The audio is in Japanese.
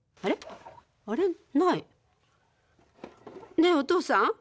ねえおとうさん。